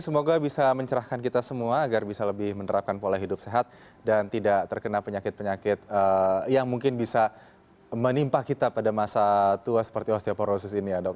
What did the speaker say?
semoga bisa mencerahkan kita semua agar bisa lebih menerapkan pola hidup sehat dan tidak terkena penyakit penyakit yang mungkin bisa menimpa kita pada masa tua seperti osteoporosis ini ya dok